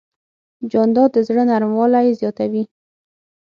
جانداد د زړه نرموالی زیاتوي.